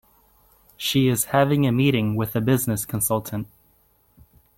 She is having a meeting with a business consultant.